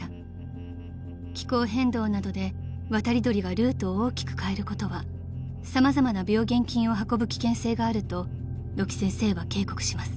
［気候変動などで渡り鳥がルートを大きく変えることは様々な病原菌を運ぶ危険性があると土城先生は警告します］